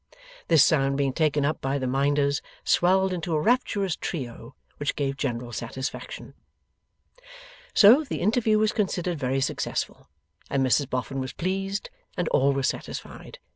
This sound being taken up by the Minders, swelled into a rapturous trio which gave general satisfaction. So, the interview was considered very successful, and Mrs Boffin was pleased, and all were satisfied.